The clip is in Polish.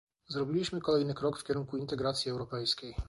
Zrobiliśmy kolejny krok w kierunku integracji Europejskiej